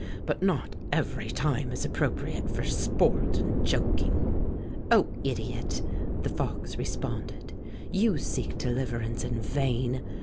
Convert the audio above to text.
But not every time is appropriate for sport and jok ing." "O idiot!" the fox responded, "you seek deliverance in vain.